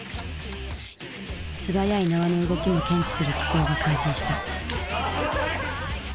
素早い縄の動きも検知する機構が完成した。